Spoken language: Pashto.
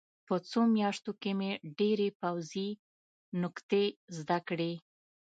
په څو میاشتو کې مې ډېرې پوځي نکتې زده کړې